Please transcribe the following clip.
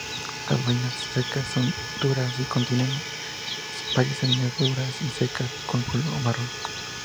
Las vainas secas son duras y contienen varias semillas duras, secas de color marrón.